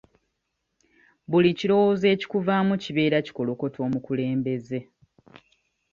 Buli kirowoozo ekikuvamu kibeera kikolokota omukulembeze.